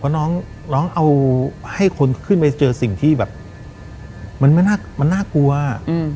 เพราะน้องน้องเอาให้คนเข้าขึ้นไปเจอสิ่งที่แบบมันไม่น่ามันน่ากลัวอืม